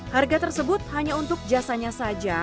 harga tersebut hanya untuk jasanya saja